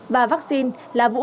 và vaccine là vũ khí